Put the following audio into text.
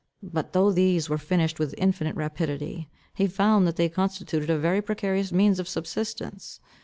But though these were finished with infinite rapidity, he found that they constituted a very precarious means of subsistence.